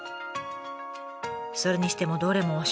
それにしてもどれもおしゃれ！